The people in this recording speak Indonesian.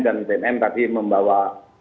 dan bnm tadi membawa